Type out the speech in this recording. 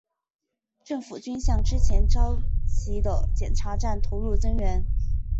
政府军向之前遭袭的检查站投入增援。